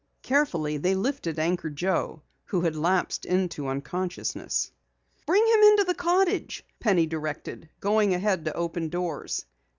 Carefully they lifted Anchor Joe who had lapsed into unconsciousness. "Bring him into the cottage," Penny directed, going ahead to open doors.